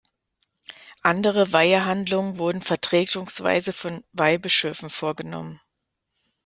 Andere Weihehandlungen wurden vertretungsweise von Weihbischöfen vorgenommen.